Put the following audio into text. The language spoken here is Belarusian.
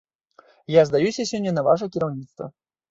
Я здаюся сёння на ваша кіраўніцтва.